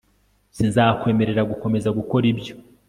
Sinzakwemerera gukomeza gukora ibyo